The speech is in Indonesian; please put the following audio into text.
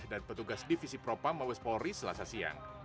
dan petugas divisi propam mawes polri selasa siang